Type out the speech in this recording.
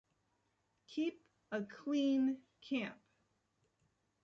Keep a Clean Camp.